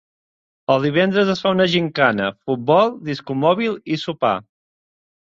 El divendres es fa una gimcana, futbol, discomòbil i sopar.